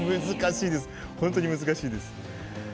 本当に難しいです。